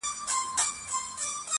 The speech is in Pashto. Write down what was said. او امکان لري چي د یو چا له فکر